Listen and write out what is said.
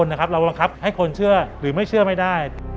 ตรงนั้นแต่คนนะครับเราหวังครับให้คนเชื่อหรือไม่เชื่อไม่ได้